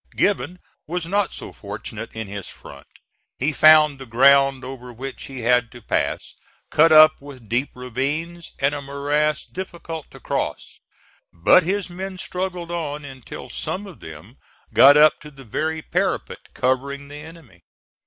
Gibbon was not so fortunate in his front. He found the ground over which he had to pass cut up with deep ravines, and a morass difficult to cross. But his men struggled on until some of them got up to the very parapet covering the enemy.